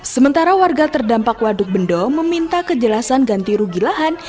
sementara warga terdampak waduk bendo meminta kejelasan ganti rugi lahan